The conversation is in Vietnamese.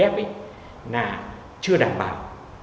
là chưa đảm bảo